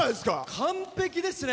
完璧ですね！